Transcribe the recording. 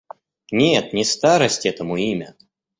Нет, не старость этому имя!